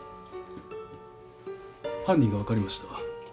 犯人が分かりました。